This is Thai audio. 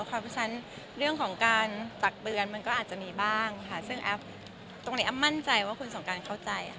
เพราะฉะนั้นเรื่องของการตักเตือนมันก็อาจจะมีบ้างค่ะซึ่งแอฟตรงนี้แอฟมั่นใจว่าคุณสงการเข้าใจ